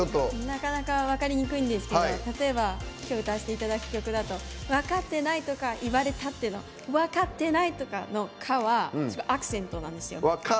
なかなか分かりにくいんですけどきょう歌わせていただく曲だと「分かってないとか言われたって」とかの「か」はアクセントなんですよ。